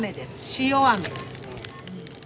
塩あめ。